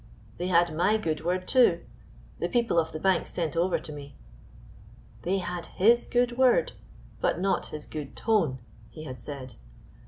They had my good word, too. The people of the bank sent over to me." They had his good word! but not his good tone! he had said.